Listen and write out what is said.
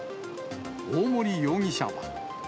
大森容疑者は。